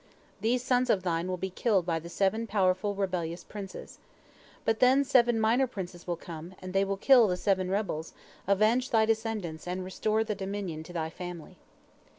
These sons of thine will be killed by the seven powerful rebellious princes. But then seven minor princes will come, and they will kill the seven rebels, avenge thy descendants, and restore the dominion to thy family."